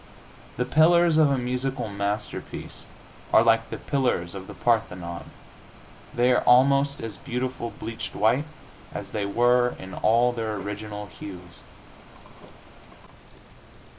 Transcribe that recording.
The pillars of a musical masterpiece are like the pillars of the Parthenon; they are almost as beautiful bleached white as they were in all their original hues.